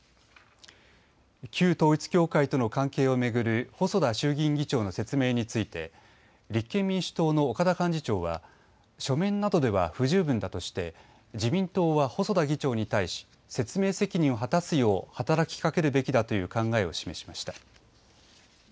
旧統一教会との関係を巡る細田衆議院議長の説明について立憲民主党の岡田幹事長は書面などでは不十分だとして自民党は細田議長に対し説明責任を果たすよう働きかけるべきだという考えを示しました。